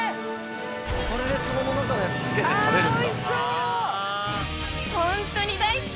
それでつぼの中のやつつけて食べるんだ。